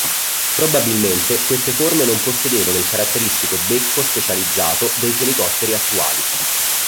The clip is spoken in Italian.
Probabilmente queste forme non possedevano il caratteristico becco specializzato dei fenicotteri attuali.